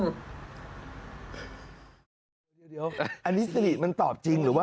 เดี๋ยวอันนี้สิริมันตอบจริงหรือว่า